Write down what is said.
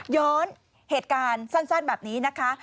ย้อนเหตุการณ์สั้นแบบนี้นะคะ